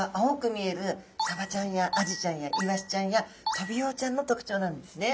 見えるサバちゃんやアジちゃんやイワシちゃんやトビウオちゃんの特徴なんですね。